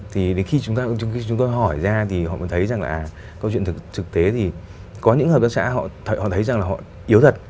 thì đến khi chúng tôi hỏi ra thì họ mới thấy rằng là à câu chuyện thực tế thì có những hợp gia xã họ thấy rằng là họ yếu thật